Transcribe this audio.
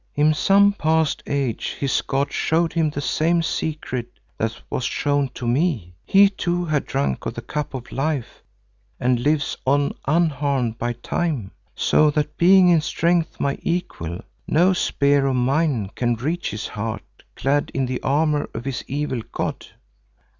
In some past age his god showed him the same secret that was shown to me. He too had drunk of the Cup of Life and lives on unharmed by Time, so that being in strength my equal, no spear of mine can reach his heart clad in the armour of his evil god."